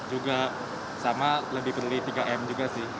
juga sama lebih peduli